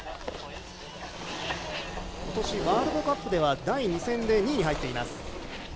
今年ワールドカップでは第２戦で２位に入っています。